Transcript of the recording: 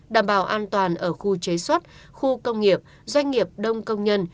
đảm bảo an toàn ở khu chế xuất khu công nghiệp doanh nghiệp đông công nhân